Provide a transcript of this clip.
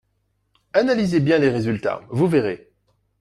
Analysez bien les résultats, vous verrez.